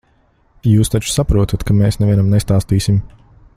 Jūs taču saprotat, ka mēs nevienam nestāstīsim.